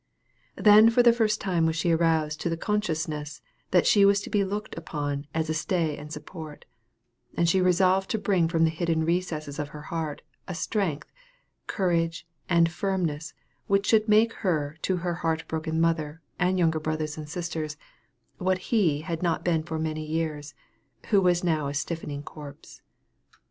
Then for the first time was she aroused to the consciousness that she was to be looked upon as a stay and support; and she resolved to bring from the hidden recesses of her heart, a strength, courage, and firmness, which should make her to her heart broken mother, and younger brothers and sisters, what he had not been for many years, who was now a stiffening corpse.